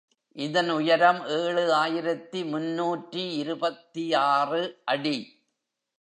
இதன் உயரம் ஏழு ஆயிரத்து முன்னூற்று இருபத்தாறு அடி.